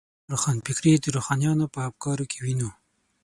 روښانفکري د روښانیانو په افکارو کې وینو.